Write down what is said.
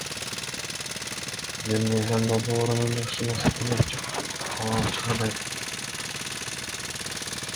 Мен мыйзам долбоорунун жакшы максатын эч жокко чыгарбайм.